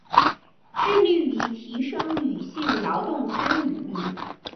致力於提升女性劳动参与率